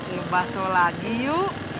ngebahso lagi yuk